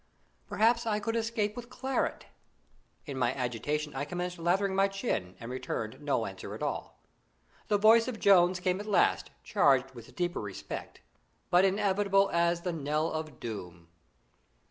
Perhaps I could escape with claret. In my agitation I commenced lathering my chin and returned no answer at all. The voice of Jones came at last, charged with deeper respect, but inevitable as the knell of doom.